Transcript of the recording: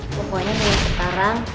pokoknya nih sekarang